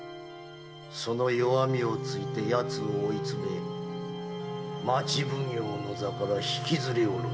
その弱みをついて奴を追い詰め町奉行の座から引きずり降ろす。